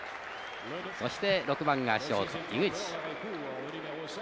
そして６番がショート井口。